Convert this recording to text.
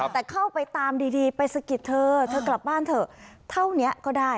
แต่เข้าไปตามดีไปสะกิดเธอเธอกลับบ้านเถอะเท่านี้ก็ได้